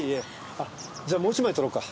あっじゃあもう１枚撮ろうか。